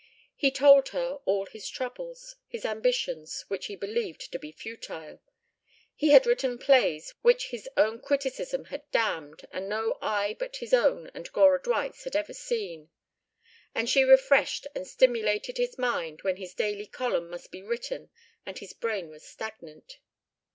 He told her all his troubles, his ambitions, which he believed to be futile he had written plays which his own criticism had damned and no eye but his own and Gora Dwight's had ever seen and she refreshed and stimulated his mind when his daily column must be written and his brain was stagnant.